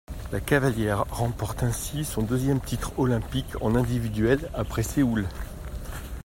La cavalière remporte ainsi son deuxième titre olympique en individuel après Séoul.